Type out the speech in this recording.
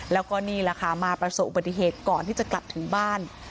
แล้วก็นี่แหละค่ะมาประสบอุบัติเหตุก่อนที่จะกลับถึงบ้าน